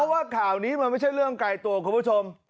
ว่าข่าวนี้มันไม่ใช่เรื่องไกลตัวคุณผู้ชม